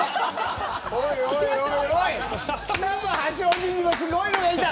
おいおいおい、来たぞ八王子にもすごいのがいた。